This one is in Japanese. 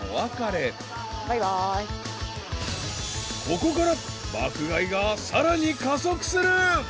［ここから爆買いがさらに加速する］